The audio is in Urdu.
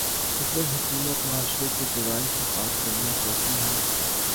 اگر حکومت معاشرے کو جرائم سے پاک کرنا چاہتی ہے۔